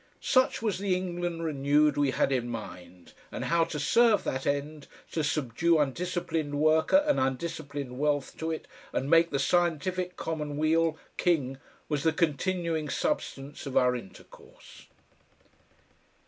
Such was the England renewed we had in mind, and how to serve that end, to subdue undisciplined worker and undisciplined wealth to it, and make the Scientific Commonweal, King, was the continuing substance of our intercourse.